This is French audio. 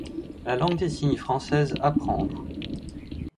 La langue des signes française apprendre.